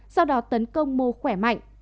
sau đó tấn công mô khỏe mạnh